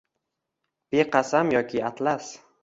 beqasam yoki atlas